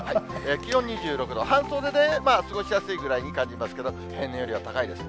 気温２６度、半袖で過ごしやすいぐらいに感じますけど、平年よりは高いです。